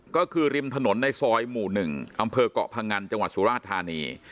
ก็คือริมถนนในซอยหมู่๑อำเภอกเกาะพงันจังหวัดสุราชธานี